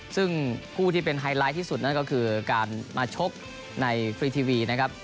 ซึ่งผู้ที่เป็นไฮไลท์ที่สุดนั่นก็คือการมาชกในฟรีทีวีนะครับ